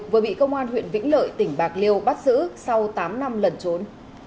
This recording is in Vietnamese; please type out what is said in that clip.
vừa bị công an huyện vĩnh lợi tỉnh bạc liêu bắt giữ sau tám năm lẩn trốn